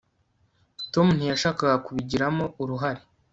tom ntiyashakaga kubigiramo uruhare